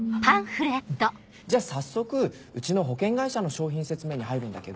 じゃ早速うちの保険会社の商品説明に入るんだけど。